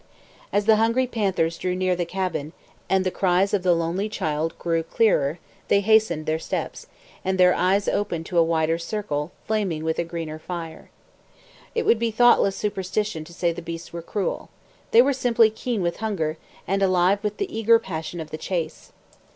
As the hungry panthers drew near the cabin, and the cries of the lonely child grew clearer, they hastened their steps, and their eyes opened to a wider circle, flaming with a greener fire. It would be thoughtless superstition to say the beasts were cruel. They were simply keen with hunger, and alive with the eager passion of the chase.